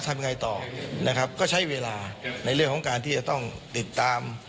ทำไงต่อนะครับก็ใช้เวลาในเรื่องของการที่จะต้องติดตาม